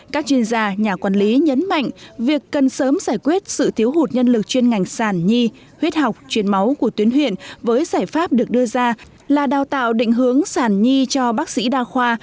các chuyên gia nhà quản lý nhấn mạnh việc cần sớm giải quyết sự thiếu hụt nhân lực chuyên ngành sản nhi huyết học chuyên máu của tuyến huyện với giải pháp được đưa ra là đào tạo định hướng sản nhi cho bác sĩ đa khoa